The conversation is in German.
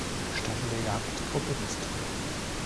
Staffel der Jagdgruppe West.